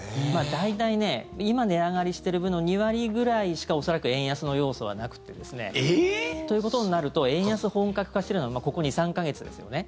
大体、今値上がりしている分の２割ぐらいしか恐らく円安の要素はなくてですねということになると円安、本格化しているのはここ２３か月ですよね。